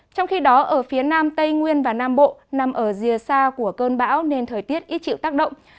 trong khi đó ở phía nam tây nguyên và nam bộ nằm ở rìa xa của cơn bão nên thời tiết ít chịu tác động